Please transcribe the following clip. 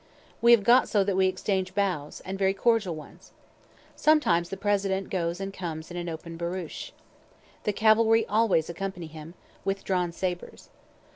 We have got so that we exchange bows, and very cordial ones. Sometimes the President goes and comes in an open barouche. The cavalry always accompany him, with drawn sabres.